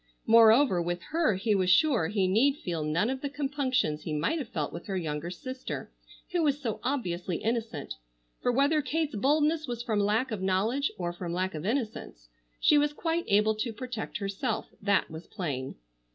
Moreover, with her he was sure he need feel none of the compunctions he might have felt with her younger sister who was so obviously innocent, for whether Kate's boldness was from lack of knowledge, or from lack of innocence, she was quite able to protect herself, that was plain.